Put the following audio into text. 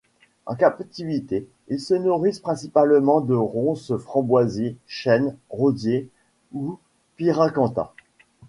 En captivité, ils se nourrissent principalement de ronces, framboisiers, chênes, rosiers ou pyracantha.